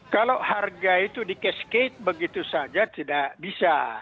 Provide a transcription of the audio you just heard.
kalau harga itu di cascape begitu saja tidak bisa